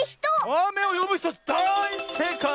あめをよぶひとだいせいかい！